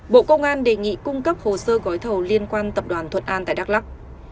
bộ công an đề nghị cung cấp hồ sơ gói thầu liên quan tập đoàn thuận an tại đắk lắc